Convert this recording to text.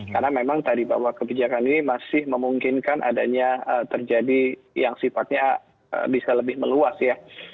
karena memang tadi bahwa kebijakan ini masih memungkinkan adanya terjadi yang sifatnya bisa lebih meluas ya